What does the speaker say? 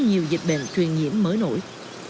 nhiều dịch bệnh truyền nhiễm mới nổi